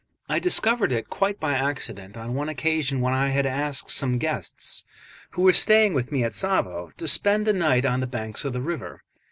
I discovered it quite by accident on one occasion when I had asked some guests, who were staying with me at Tsavo, to spend a night on the banks of the river.